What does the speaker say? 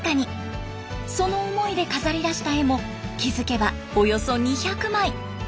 その思いで飾りだした絵も気付けばおよそ２００枚。